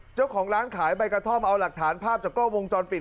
เจ้าของร้านขายใบกระท่อมเอาหลักฐานภาพจากกล้องวงจรปิด